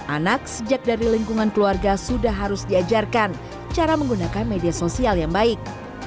anak sejak dari lingkungan keluarga sudah harus diajarkan cara menggunakan media sosial yang baik